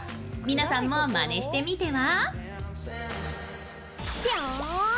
皆さんもまねしてみては？